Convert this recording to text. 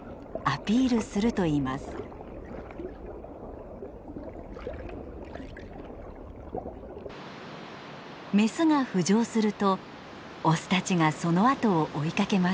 メスが浮上するとオスたちがそのあとを追いかけます。